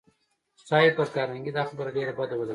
ښایي پر کارنګي دا خبره ډېره بده ولګېږي